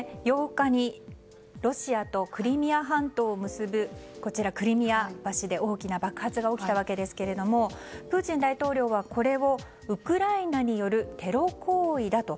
８日にロシアとクリミア半島を結ぶクリミア橋で大きな爆発が起きたわけですけれどもプーチン大統領はこれをウクライナによるテロ行為だと。